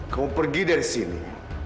kamu pergi dari sini